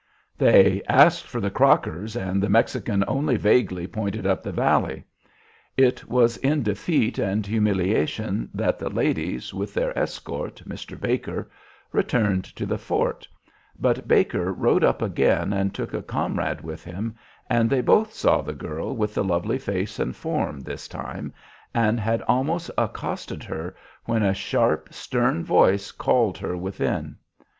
They asked for the Crockers, and the Mexican only vaguely pointed up the valley. It was in defeat and humiliation that the ladies with their escort, Mr. Baker, returned to the fort, but Baker rode up again and took a comrade with him, and they both saw the girl with the lovely face and form this time, and had almost accosted her when a sharp, stern voice called her within.